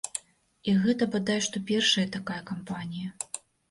І гэта бадай што першая такая кампанія.